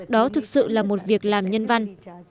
đó thực sự là một việc làm nhân văn